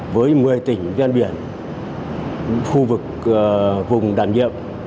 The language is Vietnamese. với một mươi tỉnh ven biển khu vực vùng đảm nhiệm